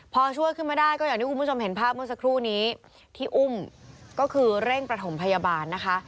พอช่วยขึ้นมาได้ก็อย่างที่คุณผู้ชมเห็นภาพเมื่อสักครู่นี้ที่อุ้มก็คือเร่งประถมพยาบาลนะคะ